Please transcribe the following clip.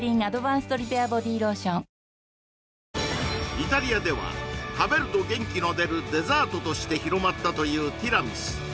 イタリアでは食べると元気の出るデザートとして広まったというティラミス